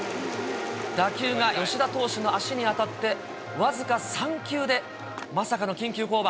打球が吉田投手の足に当たって、僅か３球で、まさかの緊急降板。